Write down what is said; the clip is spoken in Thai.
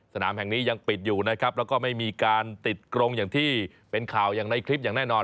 สนามแห่งนี้ยังปิดอยู่นะครับแล้วก็ไม่มีการติดกรงอย่างที่เป็นข่าวอย่างในคลิปอย่างแน่นอน